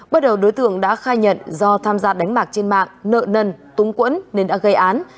bước đầu đối tượng đã khai nhận do tham gia đánh bạc trên mạng nợ nần túng quẫn nên đã gây án